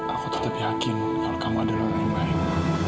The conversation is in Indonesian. aku tetap yakin kalau kamu adalah orang yang baik